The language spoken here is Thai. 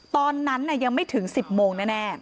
ตอนนั้นยังไม่ถึง๑๐โมงแน่